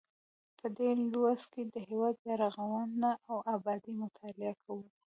په دې لوست کې د هیواد بیا رغونه او ابادي مطالعه کوو.